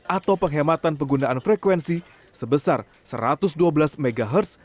atau penghematan penggunaan frekuensi sebesar satu ratus dua belas mhz